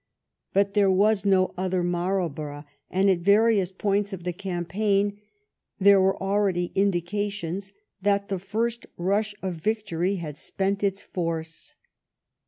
But there was no other Marlborough, and at various points of the campaign there were already indi cations that the first rush of victory had spent its force.